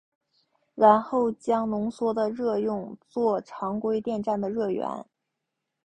然后将浓缩的热用作常规电站的热源。